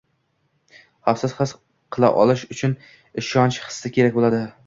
xavfsiz his qila olishi uchun ishonch hissi kerak bo‘ladi.